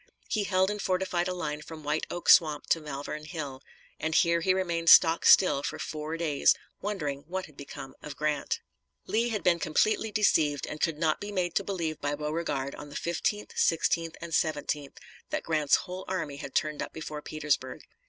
He held and fortified a line from White Oak swamp to Malvern Hill, and here he remained stock still for four days, wondering what had become of Grant. Lee had been completely deceived, and could not be made to believe by Beauregard, on the 15th, 16th, and 17th, that Grant's whole army had turned up before Petersburg.